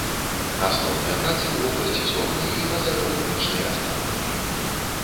Асноўныя працы ў вобласці зорнай і пазагалактычнай астраноміі.